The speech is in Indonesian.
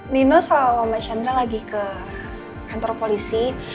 nino sama candra lagi ke kantor polisi